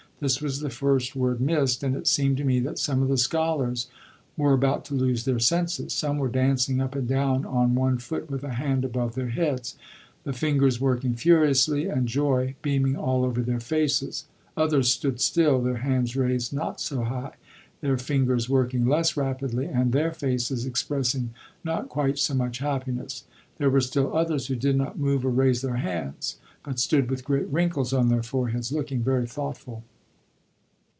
This was the first word missed, and it seemed to me that some of the scholars were about to lose their senses; some were dancing up and down on one foot with a hand above their heads, the fingers working furiously, and joy beaming all over their faces; others stood still, their hands raised not so high, their fingers working less rapidly, and their faces expressing not quite so much happiness; there were still others who did not move or raise their hands, but stood with great wrinkles on their foreheads, looking very thoughtful.